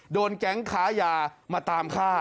โดนแก๊งค้ายามาตามฆ่า